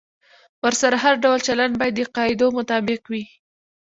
ورسره هر ډول چلند باید د قاعدو مطابق وي.